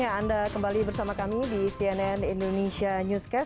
ya anda kembali bersama kami di cnn indonesia newscast